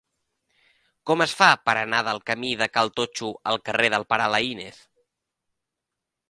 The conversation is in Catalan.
Com es fa per anar del camí de Cal Totxo al carrer del Pare Laínez?